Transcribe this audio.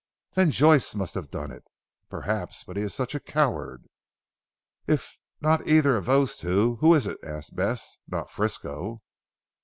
"Then Joyce must have done it." "Perhaps. But he is such a coward." "If not either of those two, who is it?" asked Bess. "Not Frisco?"